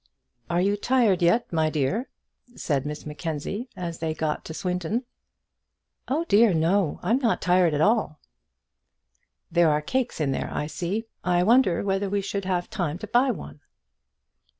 "Are you tired yet, my dear?" said Miss Mackenzie, as they got to Swindon. "Oh dear, no; I'm not at all tired." "There are cakes in there, I see. I wonder whether we should have time to buy one."